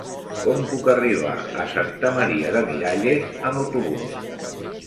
Com puc arribar a Santa Maria de Miralles amb autobús?